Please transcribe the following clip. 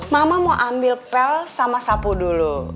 mama mau ambil pel sama sapu dulu